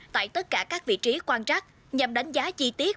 tại tất cả các vị trí quan trắc nhằm đánh giá chi tiết